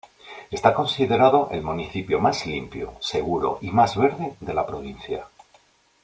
Está considerado el municipio más limpio, seguro y más verde de la provincia.